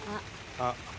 あっ！